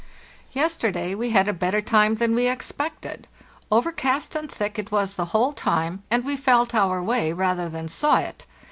Yes terday we had a better time than we expected. Over cast and thick it was: the whole time, and we felt our way rather than saw it.